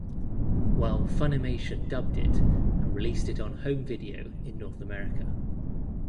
While Funimation dubbed it and released it on home video in North America.